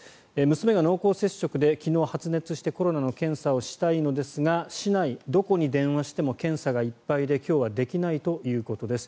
娘が濃厚接触で昨日、発熱してコロナの検査をしたいのですが市内、どこに電話をしても検査がいっぱいで今日はできないということです。